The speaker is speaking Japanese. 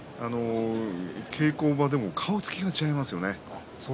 稽古場でも顔つきが違いますね。